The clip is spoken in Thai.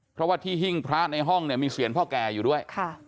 เพราะว่าที่หิ้งพระในห้องเนี่ยมีเสียงพ่อแก่อยู่ด้วย